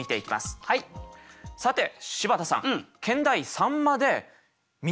さて柴田さん